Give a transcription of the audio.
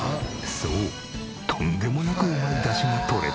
そうとんでもなくうまいダシがとれた。